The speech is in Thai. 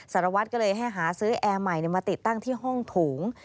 สารวัตรก็เลยให้หาซื้อแอร์ใหม่มาติดตั้งที่ห้องโถง